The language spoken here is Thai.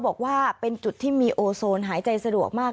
บอกว่าเป็นจุดที่มีโอโซนหายใจสะดวกมาก